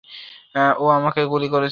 ও আমাকে গুলি করেছে!